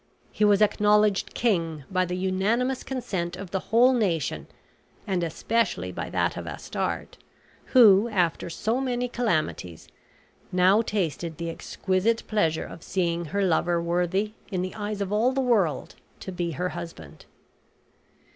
He was acknowledged king by the unanimous consent of the whole nation, and especially by that of Astarte, who, after so many calamities, now tasted the exquisite pleasure of seeing her lover worthy, in the eyes of all the world, to be her husband.